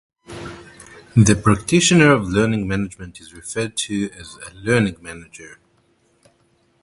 The practitioner of learning management is referred to as a learning manager.